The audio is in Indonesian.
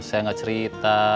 saya gak cerita